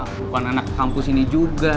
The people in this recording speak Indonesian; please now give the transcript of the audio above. bukan anak kampus ini juga